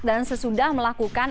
dan sesudah melakukan